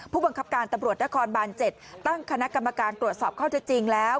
ผู้บังคับการตำรวจนครบาน๗ตั้งคณะกรรมการตรวจสอบข้อเท็จจริงแล้ว